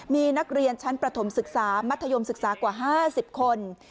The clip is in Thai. มีนักเรียนชั้นประถมศึกษามัธยมศึกษากว่า๕๐คน